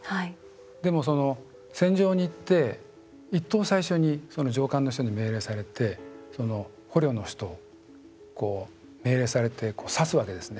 でも、戦場に行って一番最初に上官の人に命令されて捕虜の人を命令されて、刺すわけですね。